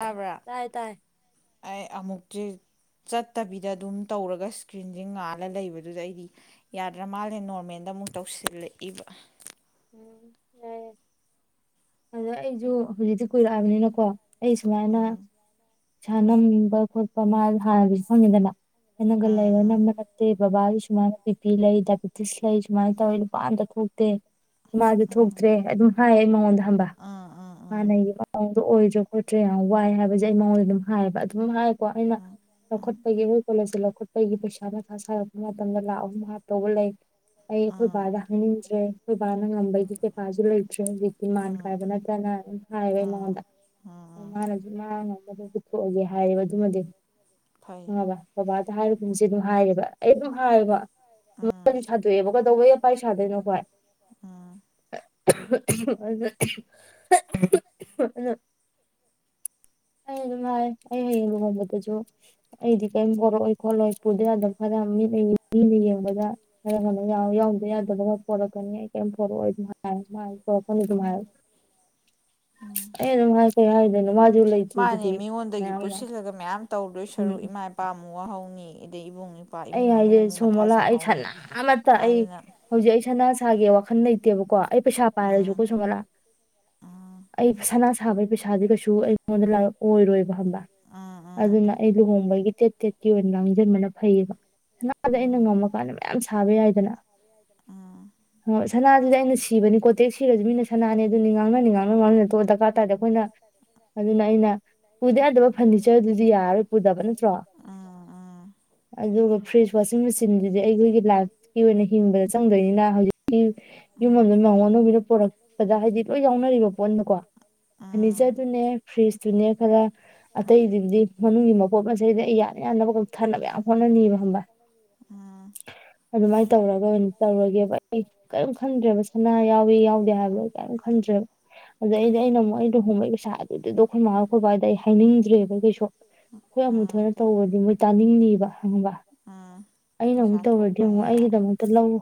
ꯌꯥꯕ꯭ꯔꯥ ꯇꯥꯏ ꯇꯥꯏ ꯑꯩ ꯑꯃꯨꯛꯇꯤ ꯆꯠꯇꯕꯤꯗ ꯑꯗꯨꯝ ꯇꯧꯔꯒ ꯏꯁꯀ꯭ꯔꯤꯟꯁ ꯉꯥꯜꯂ ꯂꯩꯕꯗꯨꯗ ꯑꯩꯗꯤ ꯌꯥꯗ꯭ꯔ ꯃꯥꯜꯂꯦ ꯅꯣꯔꯃꯦꯜꯗ ꯑꯃꯨꯛ ꯇꯧꯁꯤꯜꯂꯛꯏꯕ ꯌꯥꯏꯦ ꯑꯗ ꯑꯩꯁꯨ ꯍꯧꯖꯤꯛꯇꯤ ꯀꯨꯏꯔꯛꯑꯕꯅꯤꯅꯀꯣ ꯑꯩ ꯁꯃꯥꯏꯅ ꯏꯁꯩꯥ ꯅꯝꯅꯤꯡꯕ ꯈꯣꯠꯄ ꯃꯥ ꯍꯥꯟꯅꯁꯨ ꯐꯪꯉꯦꯗꯅ ꯍꯩꯅꯪꯒ ꯂꯩꯕ ꯑꯥ ꯅꯝꯕ ꯅꯠꯇꯦ ꯕꯕꯥꯒꯤ ꯁꯨꯃꯥꯏꯅ ꯕꯤꯄꯤꯤ ꯂꯩ ꯗꯥꯏꯕꯤꯦꯇꯤꯁ ꯂꯩ ꯁꯨꯃꯥꯏꯅ ꯇꯧꯋꯤ ꯅꯨꯄꯥ ꯑꯝꯇ ꯊꯣꯛꯇꯦ ꯃꯥꯁꯨ ꯊꯣꯛꯇ꯭ꯔꯦ ꯑꯗꯨꯝ ꯍꯥꯏ ꯑꯩ ꯃꯉꯣꯟꯗ ꯍꯝꯕ ꯑꯥ ꯑꯥ ꯍꯥꯟꯅꯒꯤ ꯃꯑꯣꯡꯗꯣ ꯑꯣꯏꯗ꯭ꯔꯦ ꯈꯣꯠꯇ꯭ꯔꯦ ꯌꯥꯝ ꯋꯥꯏ ꯍꯥꯏꯕꯁꯦ ꯑꯩ ꯃꯉꯣꯟꯗ ꯑꯗꯨꯝ ꯍꯥꯏꯌꯦꯕ ꯑꯗꯨꯝ ꯍꯥꯏ ꯀꯣ ꯑꯩꯅ ꯂꯧꯈꯠꯄꯒꯤ ꯑꯩꯈꯣꯏ ꯀꯣꯂꯦꯖꯁꯦ ꯂꯧ ꯈꯣꯠꯄꯒꯤ ꯄꯩꯁꯥ ꯃꯊꯥ ꯁꯥꯔꯛꯄ ꯃꯇꯝꯗ ꯂꯥꯛ ꯑꯍꯨꯝ ꯍꯥꯞꯇꯧꯕ ꯂꯩ ꯑꯥ ꯑꯈꯣꯏ ꯥꯗ ꯍꯥꯏꯅꯤꯗ꯭ꯔꯦ ꯣꯏꯕꯥꯅ ꯑꯝꯕꯩꯗꯤꯦꯥꯖꯤ ꯂꯩ ꯑꯥ ꯃꯥꯥꯟ ꯑꯥ ꯑꯥ ꯀꯥꯏꯕ ꯐꯖꯅ ꯑꯗꯨꯝ ꯍꯥꯏꯋ ꯑꯩ ꯑꯥ ꯃꯉꯣꯟꯗ ꯑꯥ ꯃꯥꯅꯁꯨ ꯃꯥꯅ ꯄꯨꯊꯣꯛꯑꯒꯦ ꯍꯥꯏꯔꯌꯦꯕ ꯑꯗꯨꯃꯗꯤ ꯐꯩ ꯑꯕ ꯕꯕꯥꯗ ꯍꯥꯏꯔꯤꯕ ꯄꯨꯝꯁꯦ ꯑꯗꯨꯝ ꯍꯥꯏꯔꯦꯕ ꯑꯩ ꯑꯗꯨꯝ ꯑꯥ ꯍꯥꯏꯌꯦꯕꯗꯤ ꯁꯥꯗꯣꯛꯑꯦꯕ ꯀꯩꯗꯧꯕꯩ ꯌꯥꯄꯥꯏ ꯁꯥꯗꯣꯏꯅꯣ ꯈꯣꯏ ꯑꯥ [unintelligible] ꯑꯗꯨ ꯑꯩ ꯑꯗꯨꯝ ꯍꯥꯏ ꯑꯩ ꯍꯌꯦꯡ ꯂꯨ ꯍꯣꯡꯕꯗꯁꯨ ꯑꯩꯗꯤ ꯀꯔꯤꯝ ꯂꯛꯑꯣꯣꯏ ꯈꯣꯠꯂꯣꯏ ꯄꯨꯗ ꯌꯥꯗꯕ ꯈꯔ ꯃꯤꯅ ꯃꯤꯅ ꯌꯦꯡꯕꯗ ꯈꯔ ꯈ ꯌꯥꯎꯗꯕ ꯌꯥꯗꯕ ꯈꯔ ꯄꯣꯔꯛꯀꯅꯤ ꯑꯩ ꯀꯔꯤꯝ ꯄꯣꯔꯛꯑꯣ ꯑꯗꯨ ꯍꯥꯏꯔꯣꯔꯛꯀꯅꯤ ꯑꯗꯨꯝ ꯍꯥꯏꯔ ꯑ ꯃꯥꯥꯏ ꯀ ꯍꯥꯏꯗꯅ ꯃꯥꯖ ꯂ ꯆ ꯃꯥꯅꯦ ꯁꯤꯗꯤ ꯃ ꯃꯤꯉꯣꯟꯗꯒꯤ ꯑ ꯎꯝ ꯃ ꯍꯥꯎꯅꯤ ꯏꯕꯨꯡꯉ ꯑꯩ ꯍꯥꯏꯁꯦ ꯁꯣꯃꯣꯂꯥ ꯑꯩ ꯁꯅꯥ ꯑꯃꯇ ꯑꯩ ꯑꯗꯨꯅ ꯍꯧꯖꯤꯛ ꯑꯩ ꯁ ꯏꯁꯥꯒꯤ ꯋꯥꯈꯜ ꯂꯩꯇꯦꯕꯀꯣ ꯑꯩ ꯄꯩꯁꯥ ꯎꯝ ꯄꯥꯏꯔꯁꯨꯀꯣꯁꯨ ꯃꯂꯥ ꯑꯩ ꯁꯅꯥ ꯁꯥꯕꯒꯤ ꯄꯩꯁꯥꯗꯤ ꯀꯩꯁꯨ ꯑꯩꯉꯣꯟꯗ ꯂꯑꯣ ꯑꯣꯏꯔꯣꯏꯕ ꯍꯕ ꯎꯝ ꯑꯗꯨꯅ ꯏꯂ ꯍ ꯑꯃꯒꯤꯣꯏꯒꯤ ꯇꯦꯠ ꯇꯦꯠꯀꯤ ꯑꯣꯏꯅ ꯂꯥꯡꯁꯤꯟꯕꯅ ꯐꯩꯌꯦꯕ ꯁꯅꯥꯗ ꯑꯩꯅ ꯉꯝꯃꯀꯥꯟꯗ ꯃꯌꯥꯝ ꯁꯥꯕ ꯌꯥꯏꯗꯅ ꯁꯅꯥꯁꯤꯗ ꯑꯩꯅ ꯁꯤꯕꯅꯤꯀꯣ ꯇꯦꯛ ꯁꯤꯔꯁꯨ ꯃꯤꯅ ꯁꯅꯥꯅꯦ ꯑꯗꯨꯅꯤ ꯉꯥꯡꯅꯅꯤ ꯉꯥꯡꯅ ꯉꯥꯡꯅꯅ ꯇꯣꯛ ꯗꯔꯀꯥꯔ ꯇꯥꯔꯗꯤ ꯑꯩꯈꯣꯏꯅ ꯑꯗꯨꯅ ꯑꯩꯅ ꯄꯨꯗ ꯌꯥꯗꯕ ꯐꯔꯅꯤꯆꯔꯗꯨꯗꯤ ꯌꯥꯔꯔꯣꯏ ꯄꯨꯗꯕ ꯅꯠꯇ꯭ꯔꯣ ꯑ ꯑꯗꯨꯒ ꯐ꯭ꯔꯤꯖ ꯋꯥꯁꯤꯡ ꯃꯦꯆꯤꯟꯗꯨꯗꯤ ꯑꯩꯈꯣꯏꯒꯤ ꯂꯥꯏꯐꯀꯤ ꯑꯣꯏꯅ ꯍꯤꯡꯕꯗ ꯆꯪꯗꯣꯏꯅꯤꯅ ꯍꯧꯖꯤꯛꯇꯤ ꯌꯨꯝ ꯑꯃꯗ ꯅ ꯑꯅꯨꯒꯤꯅ ꯄꯨꯔꯛꯄꯗ ꯍꯥꯏꯗꯤ ꯂꯣꯏ ꯌꯥꯎꯅꯔꯤꯕ ꯄꯣꯠꯅꯀꯣ ꯎꯝ ꯎꯝ ꯐꯔꯅꯤꯆꯔꯗꯨꯅꯦ ꯐ꯭ꯔꯤꯖꯇꯨꯅꯦ ꯈꯔ ꯑꯇꯩꯗꯨꯕꯨꯗꯤ ꯃꯅꯨꯡꯒꯤ ꯃꯄꯣꯠ ꯃꯆꯩꯗ ꯑꯩ ꯌꯥꯅ ꯌꯥꯅꯕꯒꯝ ꯊꯟꯅꯅꯕ ꯌꯥꯝ ꯍꯣꯠꯅꯅꯤꯕ ꯈꯕ ꯎꯝ ꯑꯗꯨꯃꯥꯏꯅ ꯇꯧꯔꯒ ꯑꯣꯏꯅ ꯇꯧꯔꯒꯦꯕ ꯑꯩ ꯀꯔꯤꯝ ꯈꯟꯗ꯭ꯔꯦꯕ ꯁꯅꯥ ꯌꯥꯎ ꯌꯥꯎꯗꯦ ꯍꯥꯏꯕꯗꯣ ꯀꯝ ꯈꯟꯗ꯭ꯔꯦꯕ ꯑꯗ ꯑꯩꯗꯤ ꯑꯩꯅ ꯑꯃꯨꯛ ꯑ ꯂꯨꯍꯣꯡꯕꯩ ꯄꯩꯁꯥ ꯑꯗꯨꯗꯨꯗꯣ ꯑꯩꯈꯣꯏ ꯃꯥꯥꯂ ꯈꯣꯣꯏꯄ ꯍꯥꯏꯗ ꯑꯩ ꯍꯥꯏꯅꯤꯡꯗ꯭ꯔꯦꯕ ꯀꯩꯁꯨ ꯑꯩꯈꯣꯏ ꯑꯃꯨꯛ ꯎꯝ ꯊꯣꯏꯅ ꯇꯧꯕꯗꯤ ꯃꯣꯏ ꯇꯥꯅꯤꯡꯅꯤꯕ ꯈꯪꯕ ꯎꯝ ꯑꯩꯅ ꯑꯃꯨꯛ ꯄꯩꯁꯥ ꯇꯧꯔꯗꯤ ꯑꯃꯨꯛ ꯊꯣꯛꯄꯅꯤꯅ ꯑꯩꯒꯤꯗꯃꯛꯇ ꯂꯧꯎ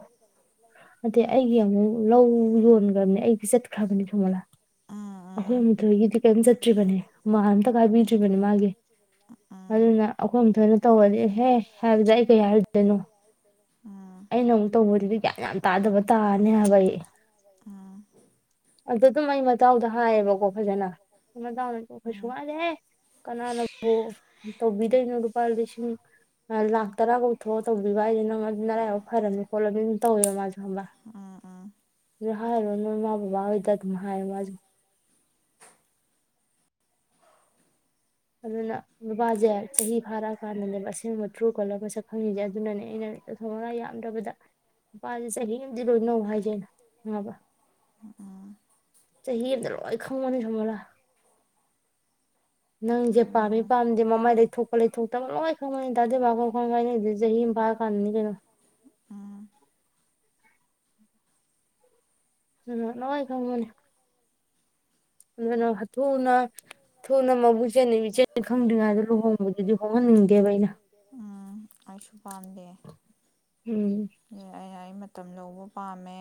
ꯑꯗꯩ ꯑꯩꯒꯤ ꯑꯃꯨꯛ ꯂꯧ ꯌꯣꯟꯈ꯭ꯔꯕꯅꯦ ꯑꯩꯗꯤ ꯆꯠꯈ꯭ꯔꯕꯅꯤ ꯊꯣꯃꯣꯂꯥ ꯑꯩꯈꯣꯏ ꯎꯝ ꯑꯃꯊꯣꯏꯒꯤꯗꯤ ꯀꯔꯤꯝ ꯆꯠꯇ꯭ꯔꯤꯕꯅꯦ ꯃꯥ ꯑꯝꯇ ꯀꯥꯏꯕꯤꯗ꯭ꯔꯤꯕꯅꯤ ꯃꯥꯒꯤ ꯎꯝ ꯎꯝ ꯑꯗꯨꯅ ꯑꯩꯈꯣꯏ ꯑꯃꯊꯣꯏꯅ ꯇꯧꯔꯗꯤ ꯍꯦ ꯍꯥꯏꯕꯗ ꯑꯩ ꯀꯩ ꯍꯥꯏꯔꯨꯗꯣꯏꯅꯣ ꯎꯝ ꯑꯩꯅ ꯑꯃꯨꯛ ꯇꯧꯕꯗꯨꯗꯤ ꯒ꯭ꯌꯥꯟ ꯌꯥꯝ ꯇꯥꯗꯕ ꯇꯥꯔꯦ ꯍꯥꯏꯕ ꯑꯩ ꯎꯝ ꯑꯗꯨ ꯑꯗꯨꯝ ꯑꯩ ꯃꯇꯥꯎꯗ ꯍꯥꯏꯌꯦꯕꯀꯣ ꯐꯖꯅ ꯃꯇꯥꯎꯗꯣ ꯑꯩꯩꯁꯨꯨꯀꯥꯏꯗ‌ꯦꯍꯦ ꯀꯅꯥꯅꯕꯨ ꯇꯧꯕꯤꯗꯣꯏꯅꯣ ꯄ ꯂꯤꯁꯤꯡ ꯇꯥꯂꯥ ꯇꯔꯥ ꯀꯧ ꯊꯣꯛꯑꯒ ꯇꯧꯕꯤꯕ ꯍꯥꯏꯁꯦ ꯅꯪ ꯑꯗꯨ ꯅ ꯂꯔꯥꯏꯐꯥꯎꯛ ꯐꯔꯅꯤ ꯈꯣꯠꯂꯅꯤ ꯑꯗꯨꯝ ꯇꯧꯋꯦ ꯃꯥꯁꯨ ꯍꯝꯕ ꯎꯝ ꯑꯗꯨ ꯍꯥꯏꯔꯣ ꯅꯣꯏ ꯏꯃꯥ ꯕꯕꯥꯍꯣꯏꯗ ꯑꯗꯨꯝ ꯍꯥꯏꯌꯦ ꯃꯥꯁꯨ ꯑꯗꯨꯅ ꯅꯨꯄꯥꯁꯦ ꯆꯍꯤ ꯐꯥꯔꯛꯑꯀꯥꯟꯗꯅꯦꯕ ꯑꯁꯦꯡꯕ ꯊ꯭ꯔꯨ ꯀꯣꯜꯂꯔ ꯃꯁꯛ ꯈꯪꯉꯤꯁꯦ ꯑꯗꯨꯅꯅꯦ ꯑꯩꯅ ꯆꯠꯊꯣꯛ ꯃꯉꯒ ꯌꯥꯝꯗ꯭ꯔꯕꯗ ꯅꯨꯄꯥꯁꯦ ꯆꯍꯤ ꯑꯃꯗꯤ ꯂꯣꯏꯅꯧ ꯍꯥꯏ ꯈꯪꯑꯕ ꯆꯍꯤ ꯑꯃꯇ ꯂꯣꯏ ꯈꯪꯕꯅꯤ ꯁꯨꯝꯃ‌ꯣꯂꯥ ꯅꯪꯁꯦ ꯎꯝ ꯄꯥꯝꯃꯤ ꯎꯝ ꯄꯥꯝꯗꯦ ꯃꯃꯥꯏ ꯂꯩꯊꯣꯛꯄ ꯂꯩꯊꯣꯛꯇꯕ ꯂꯣꯏ ꯈꯪꯉꯅꯤ ꯗꯥ ꯗꯤꯋꯥꯟ ꯑꯥꯈ‌ꯣꯏ ꯈꯪꯅꯩꯁ‌ꯦ ꯆꯍꯤ ꯑꯃ ꯐꯥꯔ ꯀꯥꯟꯗꯅꯤ ꯀꯩꯅꯣ ꯎꯝ ꯎꯝ ꯂ‌ꯣꯏꯟ ꯈꯪꯕꯅꯤ ꯑꯗꯨꯅ ꯍ ꯊꯨꯅ ꯊꯨꯅ ꯃꯕꯨꯛꯆ‌ꯦꯜ ꯏꯆꯦꯟ ꯈꯪꯗ꯭ꯔꯤꯉꯩꯗ ꯂꯨꯍꯣꯡꯕꯗꯨꯗꯤ ꯍꯣꯡꯍꯟꯅꯤꯡꯗꯦꯕ ꯑꯩꯅ ꯎꯝ ꯑꯩꯁꯨ ꯄꯥꯝꯗꯦ ꯎꯝ ꯑꯩ ꯃꯇꯝ ꯂꯧꯕ ꯄꯥꯝꯃꯦ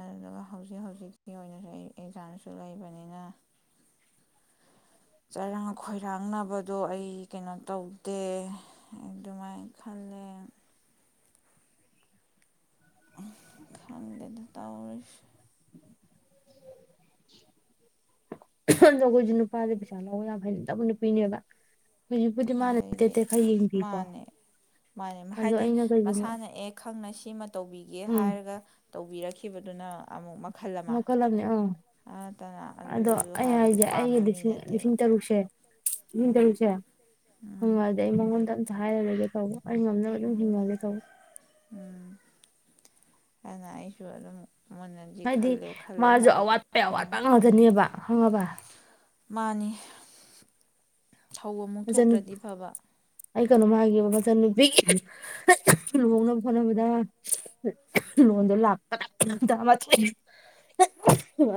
ꯑꯗꯨꯗꯨꯒ ꯍꯧꯖꯤꯛ ꯍꯧꯖꯤꯛꯀꯤ ꯑꯣꯏꯅꯁꯨ ꯑꯩ ꯑꯦꯛꯖꯥꯝꯁꯨ ꯂꯩꯕꯅꯤꯅ ꯆꯩꯔꯥꯡ ꯈꯣꯏꯔꯥꯡꯅꯕꯗꯣ ꯑꯩ ꯀꯩꯅꯣ ꯇꯧꯗꯦ ꯑꯗꯨꯃꯥꯏꯅ ꯈꯜꯂꯦ ꯈꯪꯗꯦꯗ ꯇꯧꯔꯤꯁꯤ ꯑꯗꯨ ꯈ‌ꯣꯏꯖꯨ ꯅꯨꯄꯥꯖ‌ꯦ ꯄꯩꯁꯥ ꯂꯧꯕ ꯌꯥꯝ ꯍꯩꯕꯅꯤ ꯅꯨꯄꯤꯅꯦꯕ ꯍꯧꯖꯤꯛꯄꯨꯗꯤ ꯃꯥꯅ ꯑꯗꯩꯗꯤ ꯇꯦꯠ ꯇꯦꯠ ꯈꯔ ꯌꯦꯡꯕꯤꯀꯣ ꯃꯥꯅꯦ ꯃꯥꯅꯦ ꯑꯗꯣ ꯍꯥꯏꯗꯤ ꯑꯩꯅ ꯀꯩꯒꯨꯝꯕ ꯃꯁꯥꯅ ꯑꯦ ꯈꯪꯅ ꯁꯤꯃ ꯇꯧꯕꯤꯒꯦ ꯎꯝ ꯍꯥꯏꯔꯒ ꯇꯧꯕꯤꯔꯛꯈꯤ ꯈꯤꯕꯗꯨꯅ ꯑꯃꯨꯛ ꯃꯈꯜ ꯑꯃꯅꯤꯅꯦ ꯑꯥ ꯅꯠꯇꯅ ꯑꯗꯣ ꯑꯗꯨꯗꯨ ꯑꯩ ꯍꯥꯏꯕꯗꯨ ꯍꯥꯏꯒꯦ ꯑꯩꯒꯤ ꯄꯥꯝꯕ ꯃꯤ ꯂꯤꯁꯤꯡ ꯅꯠꯇꯦꯕ ꯂꯤꯁꯤꯡ ꯇꯔꯨꯛꯁꯦ ꯂꯤꯁꯤꯡ ꯎꯝ ꯇꯔꯨꯛꯁ‌ꯦ ꯎꯝ ꯐꯪꯉꯥꯒꯤ ꯑꯩ ꯃꯉ‌ꯣꯟꯗ ꯗꯨꯝ ꯍꯥꯏꯔꯔ‌ꯣꯏꯒ‌ꯦ ꯇꯧꯕ ꯑꯩ ꯉꯝꯅꯕ ꯑꯗꯨꯝ ꯍꯤꯡꯉꯒꯦ ꯇꯧꯕ ꯎꯝ ꯑꯗꯨꯅ ꯑꯩꯁꯨ ꯑꯗꯨꯝ ꯃꯨꯟꯅꯗꯤ ꯍꯥꯏꯗꯤ ꯈꯜꯂꯦ ꯈꯜꯂꯦ ꯃꯥꯁꯨ ꯍꯥꯏꯕꯗꯤ ꯑꯋꯥꯠꯄꯩ ꯑꯋꯥꯠꯄ ꯎꯝ ꯉꯥꯛꯇꯅꯦꯕ ꯈꯪꯉꯕ ꯃꯥꯅꯤ ꯊꯧ ꯑꯃꯨꯛ ꯃꯆꯟ ꯊꯣꯛꯇ꯭ꯔꯗꯤ ꯐꯕ ꯑꯩ ꯀꯩꯅꯣꯃ ꯍꯥꯏꯒ‌ꯦꯕ ꯃꯆꯟꯅꯨꯄꯤꯒꯤ [unintelligible] ꯂꯨꯍꯣꯡꯅꯕ ꯍꯣꯠꯅꯕꯗ ꯂꯣꯟꯗꯣ ꯂꯥꯛꯄꯗ ꯇꯔꯥꯃꯊ‌ꯣꯏ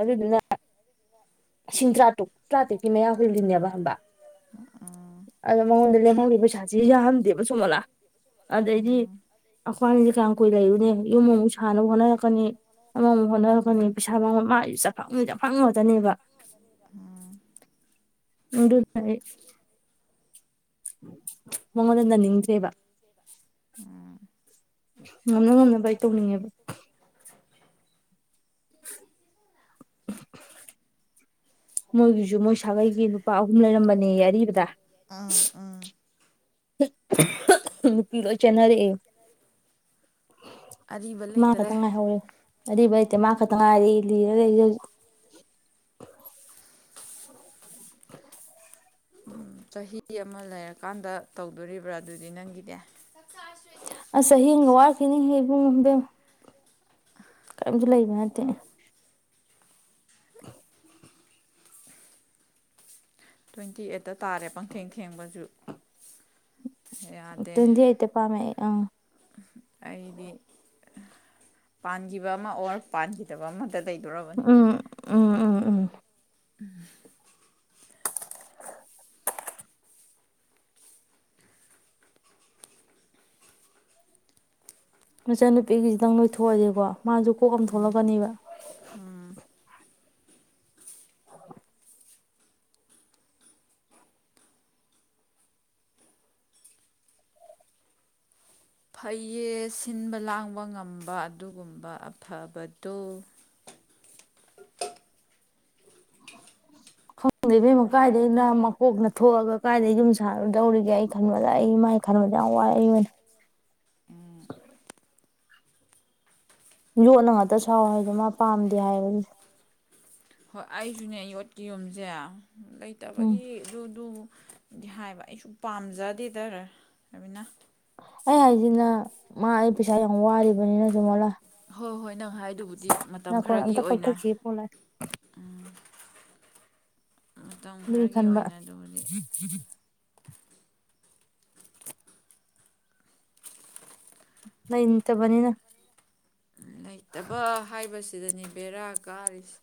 ꯑꯗꯨꯗꯨꯅ ꯂꯤꯁꯤꯡ ꯇꯔꯥꯇꯔꯨꯛ ꯇꯔꯥꯇꯔ‌ꯦꯛꯀꯤ ꯃꯌꯥ ꯍꯨꯜꯂꯤꯅꯦꯕ ꯈꯪꯕ꯭ꯔꯥ ꯑꯗꯨ ꯃꯉ‌ꯣꯟꯗ ꯂ‌ꯦꯝꯍꯧꯔꯤꯕ ꯁ‌ꯦꯜ ꯂꯔꯤꯕ ꯀꯥꯏꯗꯩ ꯄꯩꯁꯁꯤ ꯌꯥꯔꯔꯣꯏ ꯃꯣꯂꯥ ꯑꯗꯩꯗꯤ ꯎꯝ ꯑꯗꯒꯤ ꯑꯩꯈꯣꯏꯅꯤꯁꯦ ꯀꯌꯥꯝ ꯀꯨꯏ ꯃꯌꯥꯝ ꯂꯩꯔꯨꯅꯤ ꯌꯨꯝ ꯑꯃꯨꯛ ꯀꯨꯏꯔꯔꯤꯅꯦ ꯁꯥꯅꯕ ꯑꯗꯨ ꯍꯣꯠꯅꯔꯛꯀꯅꯤ ꯁꯅꯕ ꯑꯃꯃꯨꯛ ꯍꯣꯠꯅꯔꯛꯀꯅꯤ ꯄꯩꯁꯥ ꯃꯥꯡꯕ ꯃꯥꯒꯤ ꯆꯐꯪ ꯆꯐꯪ ꯉꯥꯛꯇꯅꯦꯕ ꯍꯣꯠꯅꯔꯛꯄꯅꯤꯣꯄꯪꯉꯕꯅꯤꯗ ꯃꯗꯨ ꯇꯥꯏ [unintelligible] ꯃꯉꯣꯟꯗ ꯅꯅꯤꯡꯗ꯭ꯔꯦꯕ ꯉꯝꯅ ꯉꯝꯅꯕ ꯑꯩ ꯇꯧꯅꯤꯡꯉꯦꯕ ꯃꯣꯏꯒꯤꯁꯨ ꯃꯣꯏ ꯁꯥꯒꯩꯒꯤ ꯅꯨꯄꯥ ꯑꯍꯨꯝ ꯂꯩꯔꯝꯕꯅꯦ ꯌꯦ ꯑꯥ ꯑꯥ ꯅꯨꯄꯤ ꯂꯣꯏ ꯆꯦꯟꯅꯔꯛꯑꯦ ꯑꯔꯤꯕ ꯃꯥ ꯂꯩꯇꯔꯦ ꯈꯇꯪ ꯉꯥꯏꯍꯧꯔꯦ ꯑꯔꯤꯕ ꯂꯩꯇꯦ ꯃꯥ ꯈꯠꯇ ꯉꯥꯏꯔꯦ ꯂꯤꯔ ꯂꯩꯔꯤꯁꯦ ꯍꯧꯖꯤꯛ ꯎꯝ ꯆꯍꯤ ꯑꯃ ꯂꯩꯔꯀꯥꯟꯗ ꯇꯧꯗꯣꯔꯤꯕ꯭ꯔꯥ ꯑꯗꯨꯗꯤ ꯅꯪꯒꯤꯅꯦ ꯑꯁ ꯆꯍꯤ ꯑꯃꯒ ꯋꯥꯠ ꯀꯦꯅꯤꯡꯉꯦꯕꯨ ꯉꯝꯗꯦ ꯀꯔꯤꯝꯁꯨ ꯂꯩꯕ ꯅꯠꯇꯦ [unintelligible] ꯇ꯭ꯋꯦꯟꯇꯤ ꯑꯩꯠꯇ ꯇꯥꯔꯦ ꯄꯪꯊꯦꯡ ꯊꯦꯡꯕꯁꯨ ꯌꯥꯗꯦ ꯇ꯭ꯋꯦꯟꯇꯤ ꯑꯩꯠꯇ ꯄꯥꯃꯦ ꯑꯩ ꯑꯪ ꯑꯩꯗꯤ ꯄꯥꯟ ꯖꯤꯕ ꯑꯃ ꯑꯣꯔ ꯄꯥꯟ ꯇꯕꯃꯟ ꯇꯩꯗꯣꯔꯔꯕꯅꯤ ꯎꯝ ꯎꯝ ꯎꯝ ꯎꯝ ꯎꯝ ꯃꯆꯟꯅꯨꯄꯤꯒꯤꯁꯤꯗꯪ ꯂꯣꯏꯊꯣꯛꯑꯁꯦꯀꯣ ꯃꯥꯁꯨ ꯀꯣꯛ ꯑꯃ ꯊꯣꯛꯂꯛꯀꯅꯦꯕ ꯎꯝ [unintelligible] ꯐꯩꯌꯦ ꯁꯤꯟꯕ ꯂꯥꯡꯕ ꯉꯝꯕ ꯑꯗꯨꯒꯨꯝꯕ ꯑꯐꯕꯗꯨ ꯈꯪꯗꯦ ꯏꯕꯦꯝꯃ ꯀꯥꯏꯗꯩꯅ ꯃꯀꯣꯛꯅ ꯊꯣꯛꯑꯒ ꯀꯥꯏꯗꯩ ꯌꯨꯝ ꯁꯥꯔꯨꯗꯧꯔꯤꯒꯦ ꯑꯩ ꯈꯟꯕꯗ ꯑꯩ ꯃꯥꯏ ꯈꯟꯕꯗ ꯌꯥꯝ ꯋꯥꯏ ꯑꯩ ꯑꯣꯏꯅ ꯎꯝ ꯌꯣꯠꯅ ꯉꯥꯛꯇ ꯁꯥꯎ ꯍꯥꯏꯗꯣ ꯃꯥ ꯄꯥꯝꯗꯦ ꯍꯥꯏꯕꯅꯤ ꯍꯣꯏ ꯑꯩꯁꯨꯅꯦ ꯌꯣꯠꯀꯤ ꯌꯨꯝꯁꯦ ꯎꯝ ꯂꯩꯇꯕꯒꯤ ꯑꯗꯨꯗꯨ ꯗꯤ ꯍꯥꯏꯕ ꯑꯩꯁꯨ ꯄꯥꯝꯖꯗꯦꯗ ꯔꯕꯤꯅꯥ ꯑꯩ ꯍꯥꯏꯁꯤꯅ ꯃꯥ ꯑꯩ ꯄꯩꯁꯥ ꯌꯥꯝ ꯋꯥꯔꯤꯕꯅꯤꯅ ꯁꯨꯃꯣꯂꯥ ꯍꯣꯏ ꯍꯣꯏ ꯅꯪ ꯍꯥꯏꯗꯨꯕꯨꯗꯤ ꯃꯇꯝ ꯅꯥꯀꯣꯟ ꯈꯔꯒꯤ ꯑꯝꯇ ꯑꯣꯏꯅ ꯀꯛꯊꯠꯈꯤꯒꯦ ꯄꯣꯂꯥ ꯎꯝ ꯑꯗꯨꯏ ꯈꯔꯒꯤ ꯈꯟꯕ ꯑꯣꯏꯅ ꯑꯗꯨꯕꯨꯗꯤ ꯂꯩꯇꯕꯅꯤꯅ ꯂꯩꯇꯕ ꯍꯥꯏꯕꯁꯤ ꯁꯤꯗꯅꯦ ꯕꯦꯔꯥ ꯀꯥꯔꯤꯁꯦ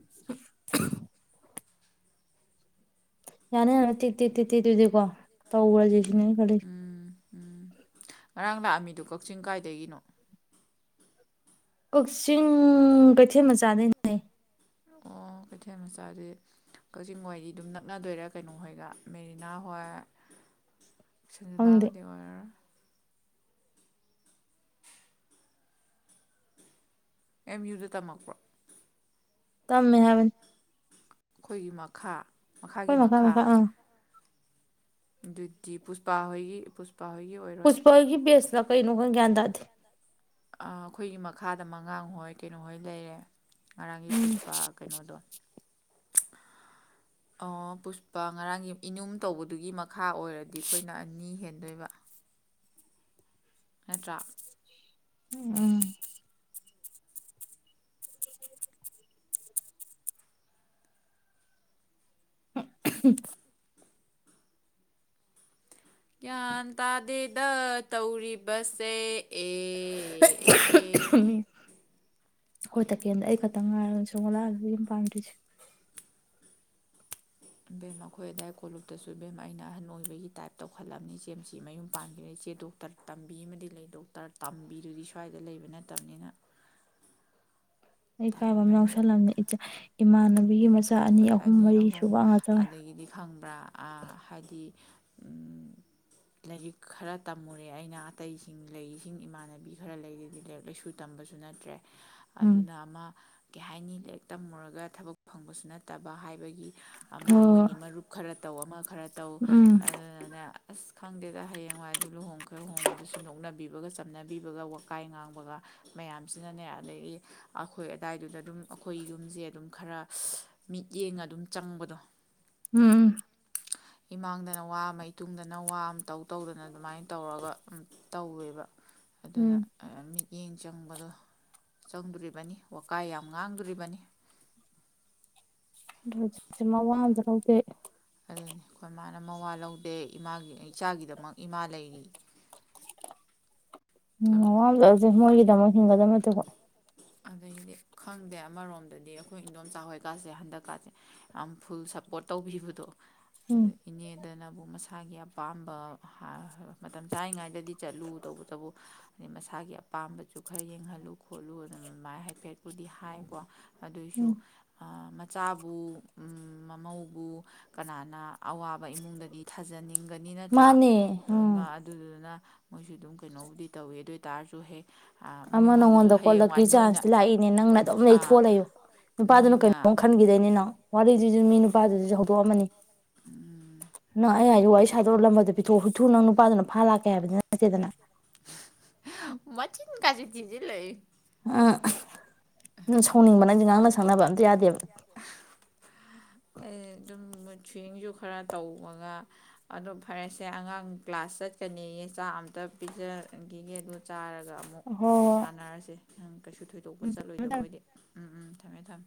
[inaudible] ꯌꯥꯅ ꯌꯥꯅꯕ ꯇꯦꯛ ꯇꯦꯛ ꯇꯦꯛ ꯇꯦꯛ ꯑꯣꯏꯖꯨ ꯀꯣ ꯇꯧꯒ꯭ꯔꯒꯦ ꯁꯤꯅꯦ ꯑꯩꯅ ꯈꯜꯂꯤ ꯎ ꯎꯝ ꯉꯔꯥꯡ ꯂꯥꯛꯑꯝꯃꯤꯗꯨꯣ ꯀꯛꯆꯤꯡ ꯀꯥꯏꯗꯒꯤꯅꯣ ꯀꯛꯆꯤꯡ ꯀꯩꯊꯦꯜ ꯃꯆꯥꯗꯩꯅꯦ ꯑꯣ ꯀꯩꯊꯦꯜ ꯃꯆꯥꯗꯤ ꯀꯛꯆꯤꯡ ꯋꯥꯏꯔꯤ ꯑꯗꯨꯝ ꯅꯛꯅꯗꯣꯏꯔꯥ ꯀꯩꯅꯣ ꯍꯣꯏꯒ ꯃꯦꯔꯤꯅꯥ ꯍꯣꯏ ꯈꯪꯗꯦ ꯁꯟꯖꯤꯅꯥꯒꯗꯤ ꯑꯣꯏꯔꯔꯣꯏ ꯑꯦꯝ ꯌꯨꯗ ꯇꯝꯃꯛꯄ꯭ꯔꯣ ꯇꯝꯃꯦ ꯍꯥꯏꯕ ꯑꯩꯈꯣꯏꯒꯤ ꯃꯈꯥ ꯍꯣꯏ ꯃꯈꯥ ꯃꯈꯉꯥ ꯑꯥ ꯑꯗꯨꯗꯤ ꯄꯨꯁꯄꯥꯍꯣꯏꯒꯤ ꯄꯨꯁ ꯄꯥꯍꯣꯏꯒꯤ ꯑꯣꯏꯔꯣꯏ ꯄꯨꯁꯄꯥ ꯍꯣꯏꯒꯤ ꯕꯦꯁꯂ ꯀꯩꯅꯣ ꯍꯪ ꯒ꯭ꯌꯥꯟ ꯇꯥꯗꯦ ꯑꯥ ꯑꯩꯈꯣꯏꯒꯤ ꯃꯈꯥꯗ ꯃꯉꯥꯡꯍꯣꯏ ꯀꯩꯅꯣꯍꯣꯏ ꯂꯩꯔꯦ ꯉꯔꯥꯡꯒꯤ ꯎꯝ ꯄꯨꯁꯄꯥ ꯀꯩꯅꯣꯗꯣ ꯑꯣ ꯄꯨꯁꯄꯥ ꯉꯔꯥꯡꯒꯤ ꯏꯅꯨꯝ ꯇꯧꯕꯗꯨꯒꯤ ꯃꯈꯥ ꯑꯣꯏꯔꯗꯤ ꯑꯩꯈꯣꯏꯅ ꯑꯅꯤ ꯍꯦꯟꯗꯣꯏꯕ ꯅꯠꯇ꯭ꯔ ꯎꯝ [unintelligible] ꯒ꯭ꯌꯥꯟ ꯇꯥꯗꯦꯗ ꯇꯧꯔꯤꯕꯁꯦ ꯑꯦ ꯎ ꯑꯦ ꯑꯦ ꯍꯣꯏ ꯇꯀꯦꯜꯗ ꯑꯩ ꯈꯛꯇꯪ ꯉꯥꯏꯔꯕꯅꯦ ꯁꯨꯔꯃ ꯂꯥꯡ ꯃꯌꯨꯝ ꯄꯥꯟꯗ꯭ꯔꯤꯁꯦ ꯏꯕꯦꯝ ꯑꯩꯈꯣꯏ ꯑꯗꯥꯏ ꯀꯣꯂꯨꯞꯇꯁꯨ ꯏꯕꯦꯝꯃ ꯑꯩꯅ ꯑꯍꯟ ꯑꯣꯏꯕꯒꯤ ꯇꯥꯏꯞ ꯇꯧꯈꯠꯂꯕꯅꯤ ꯏꯆꯦꯝꯁꯤ ꯃꯌꯨꯝ ꯄꯥꯟꯈꯤꯕꯗꯩ ꯏꯆꯦ ꯗꯣꯛꯇꯔ ꯇꯝꯕꯤ ꯑꯃꯗꯤ ꯂꯩ ꯗꯣꯛꯇꯔ ꯇꯝꯕꯤꯗꯨꯗꯤ ꯁ꯭ꯋꯥꯏꯗ ꯂꯩꯕ ꯅꯠꯇꯕꯅꯤꯅ ꯑꯩ ꯏꯀꯥꯏꯕ ꯑꯃ ꯇꯟꯕꯅ ꯌꯥꯎꯁꯜꯂꯕꯅꯤ ꯏꯃꯥꯅ [unintelligible] ꯑꯩꯈꯣꯏ ꯑꯅꯤ ꯑꯍꯨꯝ ꯑꯗꯒꯤꯗꯤ ꯈꯪꯕ꯭ꯔꯥ ꯑꯥ ꯍꯥꯏꯗꯤ ꯎꯝ ꯂꯥꯏꯔꯤꯛ ꯈꯔ ꯇꯝꯃꯨꯔꯦ ꯑꯩꯅ ꯑꯇꯩꯁꯤꯡ ꯂꯩꯁꯤꯡ ꯏꯃꯥꯟꯅꯕꯤ ꯈꯔ ꯂꯩꯔꯗꯤ ꯂꯥꯏꯔꯤꯛ ꯂꯥꯏꯁꯨ ꯇꯝꯕꯁꯨ ꯅꯠꯇ꯭ꯔꯦ ꯎꯝ ꯑꯗꯨꯅ ꯑꯃ ꯀꯩ ꯍꯥꯏꯅꯤ ꯂ ꯇꯝꯃꯨꯔꯒ ꯊꯕꯛ ꯐꯪꯕꯁꯨ ꯅꯠ ꯅꯠꯇꯕ ꯍꯥꯏꯕꯒꯤ ꯑꯃ ꯍꯣꯏ ꯃꯣꯏꯗꯤ ꯃꯔꯨꯞ ꯈꯔ ꯇꯧ ꯑꯃ ꯈꯔ ꯇꯧ ꯇꯧ ꯎꯝ ꯑꯗꯨꯅꯅꯦ ꯑꯁ ꯈꯪꯗꯦꯗ ꯍꯌꯦꯡꯋꯥꯏ ꯑꯗꯨ ꯂꯨꯍꯣꯡꯈ꯭ꯔꯦ ꯂꯍꯣꯡꯕꯗꯨꯁꯨ ꯅꯣꯛꯅꯕꯤꯕꯒ ꯆꯝꯅꯕꯤꯕꯒ ꯋꯥꯀꯥꯏ ꯉꯥꯡꯕꯒ ꯃꯌꯥꯝꯁꯤꯅꯅꯦ ꯑꯗꯒꯤ ꯑꯩꯈꯣꯏ ꯑꯗꯥꯏꯗꯨꯗ ꯑꯗꯨꯝ ꯑꯩꯈꯣꯏ ꯌꯨꯝꯁꯦ ꯑꯗꯨꯝ ꯈꯔ ꯃꯤꯠꯌꯦꯡ ꯑꯗꯨꯝ ꯆꯪꯕꯗꯣ ꯎꯝ ꯏꯃꯥꯡꯗꯅ ꯋꯥ ꯑꯃ ꯏꯇꯨꯡꯗꯅ ꯋꯥ ꯑꯃꯇꯧ ꯇꯧꯗꯅ ꯑꯗꯨꯃꯥꯏꯅ ꯇꯧꯔꯒ ꯇꯧꯋꯦꯕ ꯑꯗꯨꯅ ꯎꯝ ꯃꯤꯠꯌꯦꯡ ꯆꯪꯕꯗꯣ ꯆꯪꯗꯣꯔꯤꯕꯅꯤ ꯋꯥꯀꯥꯏ ꯌꯥꯝ ꯉꯥꯡꯗꯣꯔꯤꯕꯅꯤ ꯃꯋꯥ ꯑꯝꯇ ꯍꯧꯗꯦ ꯑꯗꯨꯅꯤ ꯑꯩꯈꯣꯏ ꯃꯥꯅ ꯃꯋꯥ ꯂꯧꯗꯦ ꯏꯃꯥꯒꯤ ꯏꯆꯥꯒꯤꯗꯃꯛ ꯏꯃꯥ ꯂꯩꯔꯤ ꯎꯝ ꯇꯧꯔꯤ ꯋꯥꯁꯦꯒ ꯃꯣ ꯍꯤꯡꯗ ꯃꯥ ꯇꯀ ꯑꯩꯗꯤ ꯈꯪꯗꯦ ꯑꯃꯔꯣꯝꯗꯗꯤ ꯑꯩꯈꯣꯏ ꯏꯗꯣꯝꯆꯥ ꯍꯣꯏꯀꯥꯁꯦ ꯍꯟꯗꯛꯀꯥꯁꯦ ꯌꯥꯝ ꯐꯨꯜ ꯁꯞꯄꯣꯔꯠ ꯇꯧꯕꯤꯕꯗꯣ ꯎꯝ ꯑꯗꯨꯗ ꯏꯅꯦꯗꯅꯕꯨ ꯃꯁꯥꯒꯤ ꯑꯄꯥꯝꯕ ꯃꯇꯝ ꯆꯥꯔꯤꯉꯩꯗꯗꯤ ꯆꯠꯂꯨ ꯇꯧꯕꯇꯕꯨ ꯑꯗꯩ ꯃꯁꯥꯒꯤ ꯑꯄꯥꯝꯕꯁꯨ ꯈꯔ ꯌꯦꯡꯍꯜꯂ ꯈꯣꯠꯂꯨ ꯈꯣꯠꯂꯨ ꯑꯗꯨꯅ ꯃꯥꯏ ꯍꯥꯏꯐꯦꯠꯄꯨꯗꯤ ꯍꯥꯏꯀꯣ ꯎꯝ ꯑꯗꯨꯑꯣꯏꯁꯨ ꯃꯆꯥꯕꯨ ꯃꯃꯧꯕꯧꯕ ꯀꯅꯥꯅ ꯑꯋꯥꯕ ꯏꯃꯨꯡꯗꯗꯤ ꯊꯥꯖꯅꯤꯡ ꯈꯟꯒꯅꯤ ꯅꯠꯇ꯭ꯔꯥ ꯃꯥꯅꯦ ꯎꯝ ꯂꯣꯏꯃꯛ ꯑꯗꯨꯗꯨꯅ ꯃꯣꯏꯁꯨ ꯑꯗꯨꯝ ꯀꯩꯅꯣꯕꯨꯗꯤ ꯇꯧꯏꯤ ꯑꯗꯨ ꯑꯣꯏ ꯇꯔꯁꯨ ꯍꯦꯛ ꯃꯣꯏꯉꯣꯟ ꯑꯩꯉꯣꯟꯗ ꯀꯣꯠꯂꯛ ꯆꯥꯟꯁꯇ ꯂꯥꯛꯏꯅꯦ ꯅꯪꯅ ꯑꯗꯨꯝ ꯑꯥ ꯂꯩꯊꯣꯂꯛ ꯅꯨꯄꯥꯗꯨꯅ ꯅꯣꯏꯅ ꯀꯩꯅꯣꯝ ꯈꯟꯈꯤꯗꯣꯏꯅꯤꯅꯣ ꯋꯥꯔꯤꯗꯨꯁꯨ ꯃꯤ ꯅꯨꯄꯥꯗꯨꯁꯨ ꯍꯧ ꯑꯃꯅꯤ ꯅꯪ ꯑꯩ ꯍꯥꯏꯗꯤ ꯋꯥꯔꯤ ꯁꯥꯗꯣꯔꯂꯝꯃꯗꯤ ꯄꯤꯊꯣꯛ ꯍꯨꯊꯨ ꯅꯪ ꯅꯨꯄꯥꯗꯨꯅ ꯐꯥ ꯂꯥꯛꯀꯦ ꯍꯥꯏꯕꯗꯤ ꯅꯠꯇꯦꯗꯅ ꯀꯖꯤ ꯊꯤꯖꯤ ꯂꯩ ꯑ ꯎꯝ ꯁꯥꯎꯅꯤꯡꯕ ꯅꯪꯗꯤ ꯉꯥꯡꯅ ꯁꯪꯅꯕ ꯑꯝꯇ ꯌꯥꯗꯦꯕ ꯑꯩ ꯑꯗꯨꯝ ꯁ꯭ꯋꯤꯡꯁꯨ ꯈꯔ ꯇꯧꯕꯒ ꯑꯣ ꯐꯔꯦꯁꯦ ꯑꯉꯥꯡ ꯀ꯭ꯂꯥꯁ ꯆꯠꯀꯅꯤꯌꯦ ꯆꯥꯛ ꯑꯝꯇ ꯄꯤꯖꯈꯤꯒꯦ ꯑꯗꯨ ꯆꯥꯔꯒ ꯑꯗꯨꯒ ꯑꯃꯨꯛ ꯍꯣꯏ ꯍꯣꯏ ꯁꯥꯟꯅꯔꯁꯤ ꯍꯪ ꯀꯩꯁꯨ ꯊꯣꯏ ꯑꯇꯣꯛꯄ ꯎꯝ ꯊꯝꯃꯦ ꯊꯝꯃꯦ ꯆꯠꯂꯣꯏꯗꯕ ꯑꯣꯏꯗꯤ ꯎꯝ ꯎꯝ ꯊꯝꯃꯦ ꯊꯝꯃꯦ